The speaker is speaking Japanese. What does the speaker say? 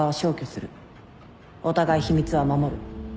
お互い秘密は守る。